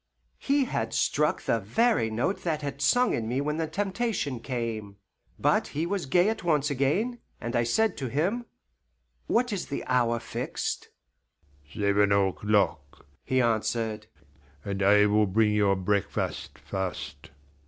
He had struck the very note that had sung in me when the temptation came; but he was gay at once again, and I said to him, "What is the hour fixed?" "Seven o'clock," he answered, "and I will bring your breakfast first."